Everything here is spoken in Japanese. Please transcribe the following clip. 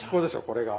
これが。